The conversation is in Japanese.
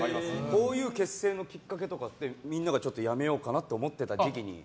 ふぉゆ結成のきっかけとかってみんながちょっとやめようかなと思ってた時期に。